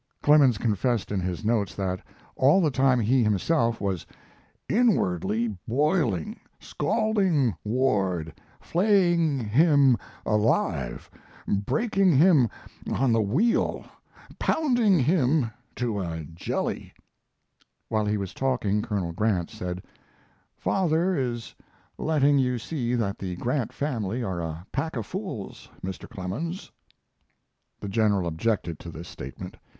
Clemens confessed in his notes that all the time he himself was "inwardly boiling scalping Ward flaying him alive breaking him on the wheel pounding him to a jelly." While he was talking Colonel Grant said: "Father is letting you see that the Grant family are a pack of fools, Mr. Clemens." The General objected to this statement.